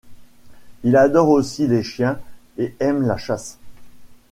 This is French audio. Il adore aussi les chiens et aime la chasse.